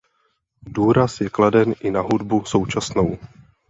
Důraz je kladen i na hudbu současnou.